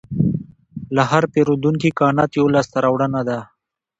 د هر پیرودونکي قناعت یوه لاسته راوړنه ده.